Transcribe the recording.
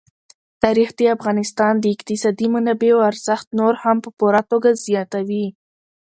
تاریخ د افغانستان د اقتصادي منابعو ارزښت نور هم په پوره توګه زیاتوي.